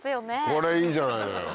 これいいじゃないのよ。